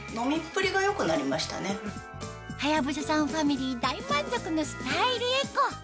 はやぶささんファミリー大満足のスタイルエコ